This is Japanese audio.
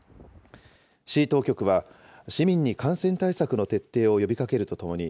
市当局は市民に感染対策の徹底を呼びかけるとともに、